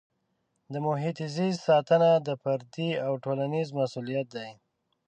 د محیط زیست ساتنه د فردي او ټولنیز مسؤلیت دی.